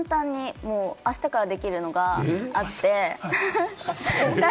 簡単にあしたからできるのがあって。